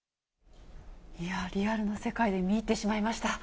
いや、リアルな世界で、見入ってしまいました。